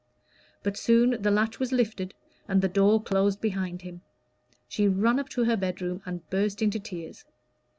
But soon the latch was lifted and the door closed behind him. She ran up to her bedroom and burst into tears.